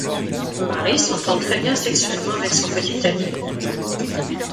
Marie s'entend très bien sexuellement avec son petit ami.